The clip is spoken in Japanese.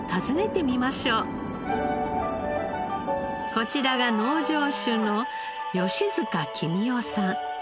こちらが農場主の吉塚公雄さん。